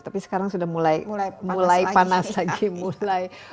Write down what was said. tapi sekarang sudah mulai panas lagi mulai